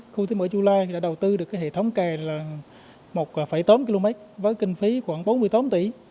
khu tỉnh mở chù lai đã đầu tư được hệ thống kè một tám km với kinh phí khoảng bốn mươi tám tỷ